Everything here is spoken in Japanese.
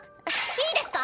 いいですか？